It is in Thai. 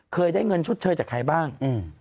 เคยได้เงินชดเชยจากใครบ้าง